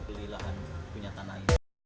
eko mencari jalan keluar